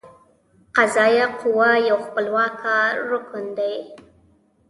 قضائیه قوه یو خپلواکه رکن دی.